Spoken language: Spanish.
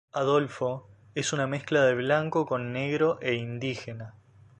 Adolfo, es una mezcla de blanco con negro e indígena.